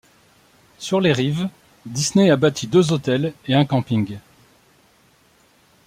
Sur les rives Disney a bâti deux hôtels et un camping.